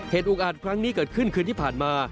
อุกอาจครั้งนี้เกิดขึ้นคืนที่ผ่านมา